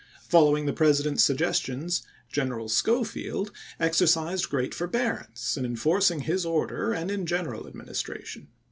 Following the President's suggestions, General Schofield exercised great forbearance in enforcing his order and in general administration.